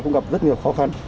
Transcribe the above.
cũng gặp rất nhiều khó khăn